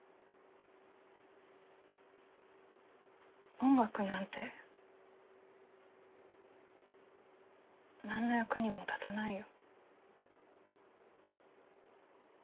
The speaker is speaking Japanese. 音楽なんて何の役にも立たないよ。